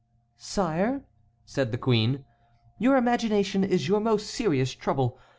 "Sire," said the queen, "your imagination is your most serious trouble.